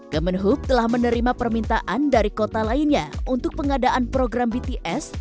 kemenhub telah menerima permintaan dari kota lainnya untuk pengadaan program bts